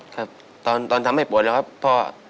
ครับตอนทำให้ปวดแล้วครับพ่อ